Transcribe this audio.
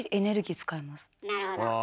あなるほど。